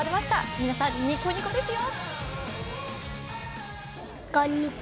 皆さん、ニコニコですよ。